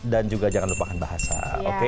dan juga jangan lupakan bahasa oke